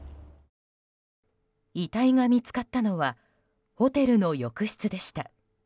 遺体が見つかったのはホテルの浴室でした。